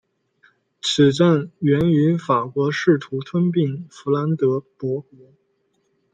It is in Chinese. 此战源于法国试图吞并弗兰德伯国。